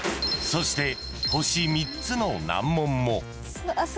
［そして星３つの難問も］